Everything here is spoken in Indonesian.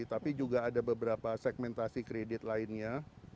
tapi juga ada beberapa segmentasi kredit lainnya